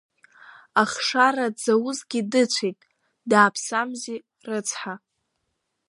Ахшара дзаузгьы дыцәеит, дааԥсамзи, рыцҳа.